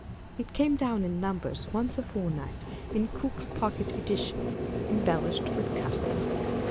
It came down in numbers once a fortnight, in Cooke's pocket edition, embellished with cuts.